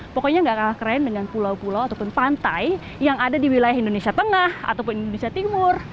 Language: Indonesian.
pokoknya gak kalah keren dengan pulau pulau ataupun pantai yang ada di wilayah indonesia tengah ataupun indonesia timur